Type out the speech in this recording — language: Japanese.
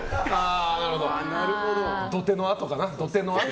土手のあとかな。